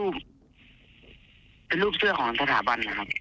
เป็นรูปเสื้อของสถาบัน